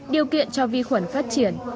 điều kiện cho vi khuẩn phát triển